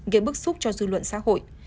gây bức xúc cho dư luận xã hội